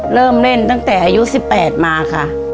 เริ่มเล่นตั้งแต่อายุ๑๘มาค่ะ